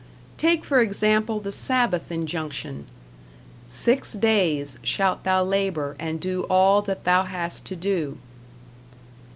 Take for example the Sabbath injunction: "Six days shalt thou labor and do all that thou hast to do."